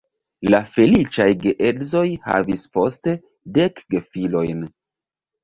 La feliĉaj geedzoj havis poste dek gefilojn.